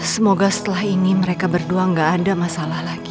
semoga setelah ini mereka berdua gak ada masalah lagi